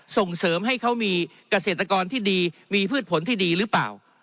ส่งเสริมให้เขามีเกษตรกรที่ดีมีพืชผลที่ดีหรือเปล่า